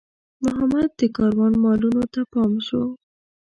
محمد د کاروان مالونو ته پاتې شو.